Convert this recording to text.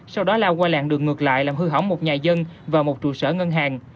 sau đó lao qua làng đường ngược lại làm hư hỏng một nhà dân và một trụ sở ngân hàng